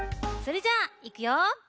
それじゃあいくよ！